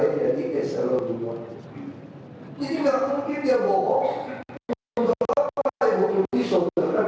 tapi kalau saya baca di berita memang ada kejurigaan